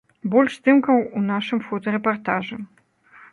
Больш здымкаў у нашым фотарэпартажы!